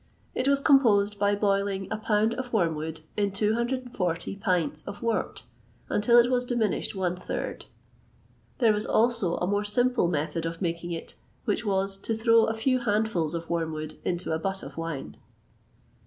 It was composed by boiling a pound of wormwood in 240 pints of wort until it was diminished one third. There was also a more simple method of making it, which was to throw a few handfuls of wormwood into a butt of wine.